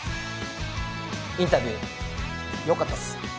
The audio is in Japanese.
インタビューよかったっす。